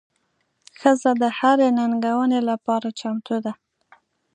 ښځه د هرې ننګونې لپاره چمتو ده.